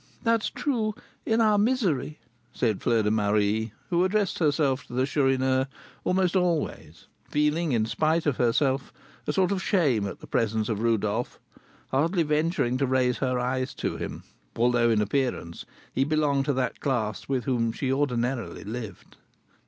"That's true, in our misery," said Fleur de Marie, who addressed herself to the Chourineur almost always, feeling, in spite of herself, a sort of shame at the presence of Rodolph, hardly venturing to raise her eyes to him, although in appearance he belonged to that class with whom she ordinarily lived.